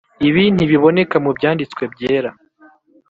Ibi ntibiboneka mu Byanditswe Byera.